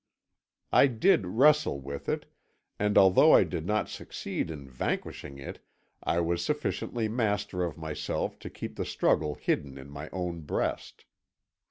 I did wrestle with it, and although I did not succeed in vanquishing it, I was sufficiently master of myself to keep the struggle hidden in my own breast.